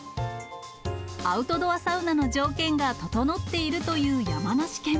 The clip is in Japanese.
アウトドアサウナの条件がととのっているという山梨県。